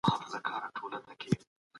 تاسو هم د نورو لپاره رحمت اوسئ.